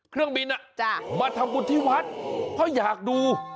เครื่องบินมาทำบุญที่วัดเพราะอยากดู